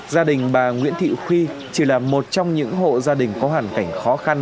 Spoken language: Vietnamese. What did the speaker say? gia đình bà nguyễn thị khuy chỉ là một trong những hộ gia đình có hoàn cảnh khó khăn